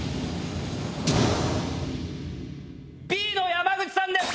Ｂの山口さんです！